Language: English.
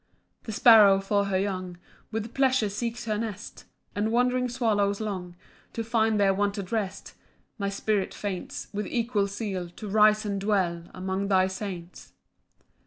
2 The sparrow, for her young, With pleasure seeks her nest; And wandering swallows long To find their wonted rest: My spirit faints With equal zeal To rise and dwell Among thy saints.